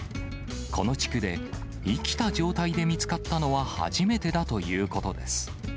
この地区で、生きた状態で見つかったのは初めてだということです。